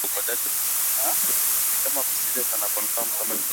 edward aliogelea kwenda kwenye mashua ya uokoaji